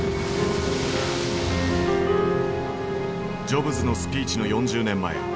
ジョブズのスピーチの４０年前。